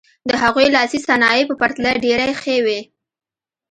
د هغوی لاسي صنایع په پرتله ډېرې ښې وې.